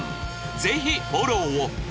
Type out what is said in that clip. ぜひフォローを